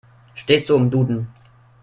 Steht so im Duden.